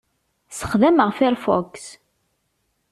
Ssexdameɣ Firefox.